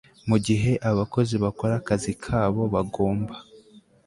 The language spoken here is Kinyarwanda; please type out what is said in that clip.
mu gihe abakozi bakora akazi kabo bagomba